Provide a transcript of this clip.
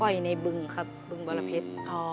ปล่อยในบึงครับบึงบรเผ็ด